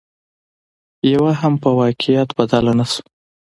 يوه هم په واقعيت بدله نشوه